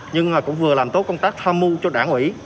nhưng mà cũng vừa làm tốt công tác tham mưu cho đảng ủy